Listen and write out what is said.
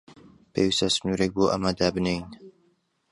پێویستە سنوورێک بۆ ئەمە دابنێین.